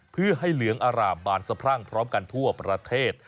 เพื่อให้เหลืองอร่ามบานสะพรั่งพร้อมกันทั่วประเทศ